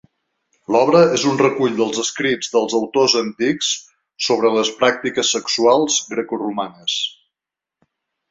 L'obra és un recull dels escrits dels autors antics sobre les pràctiques sexuals grecoromanes.